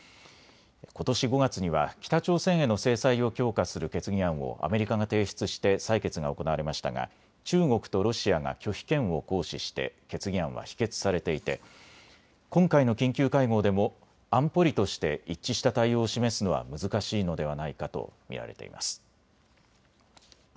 ことし５月には北朝鮮への制裁を強化する決議案をアメリカが提出して採決が行われましたが中国とロシアが拒否権を行使して決議案は否決されていて今回の緊急会合でも安保理として一致した対応を示すのは難しいのではないかと見られています。